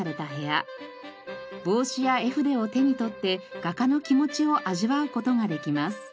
帽子や絵筆を手に取って画家の気持ちを味わう事ができます。